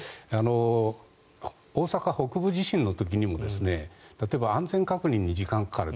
大阪北部地震の時にも例えば安全確認に時間がかかると。